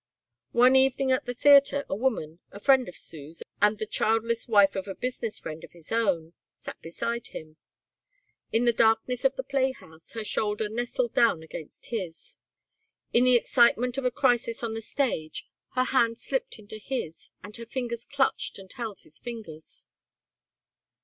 One evening at the theatre a woman, a friend of Sue's and the childless wife of a business friend of his own, sat beside him. In the darkness of the playhouse her shoulder nestled down against his. In the excitement of a crisis on the stage her hand slipped into his and her fingers clutched and held his fingers.